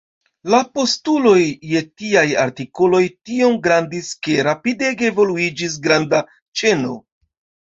La postuloj je tiaj artikoloj tiom grandis ke rapidege evoluiĝis granda ĉeno.